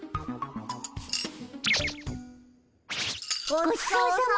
ごちそうさま。